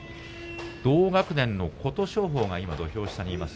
同学年の琴勝峰が土俵下にいます。